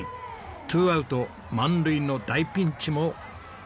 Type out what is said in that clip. ツーアウト満塁の大ピンチも。